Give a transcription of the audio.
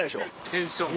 テンションが。